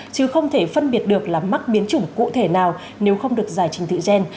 chứ không thể phân biệt được là mắc biến chủng cụ thể nào nếu không được giải trình tự gen